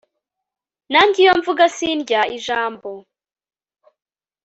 nanjye iyo mvuga sindya ijambo